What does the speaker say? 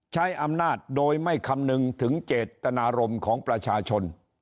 ใช้อำนาจโดยไม่คำนึงถึงเจตนารมณ์ของประชาชน